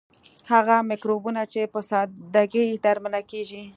هغه مکروبونه چې په ساده ګۍ درملنه کیږي.